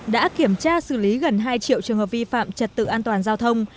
đã kiểm tra xử lý gần hai triệu trường hợp vi phạm trật tự an toàn giao thông